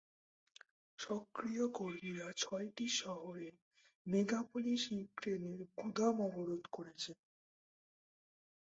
সক্রিয় কর্মীরা ছয়টি শহরের মেগাপলিস ইউক্রেনের গুদাম অবরোধ করেছে।